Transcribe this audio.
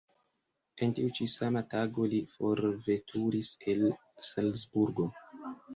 En tiu ĉi sama tago li forveturis el Salzburgo.